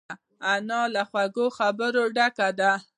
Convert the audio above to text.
انا له خوږو خبرو ډکه ده